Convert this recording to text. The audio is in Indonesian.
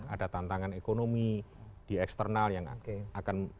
ada tantangan ekonomi di eksternal yang akan